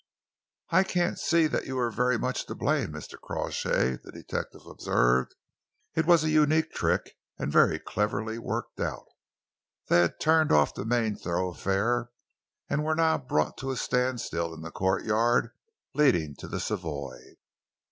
"I can't see that you were very much to blame, Mr. Crawshay," the detective observed. "It was a unique trick, and very cleverly worked out." They had turned off the main thoroughfare and were now brought to a standstill in the courtyard leading to the Savoy.